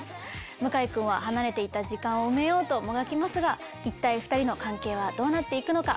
向井君は離れていた時間を埋めようともがきますが一体２人の関係はどうなっていくのか？